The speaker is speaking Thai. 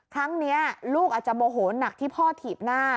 ครั้งนี้ลูกอาจจะโมโหนักที่พ่อถีบหน้า